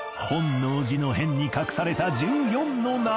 本能寺の変に隠された１４の謎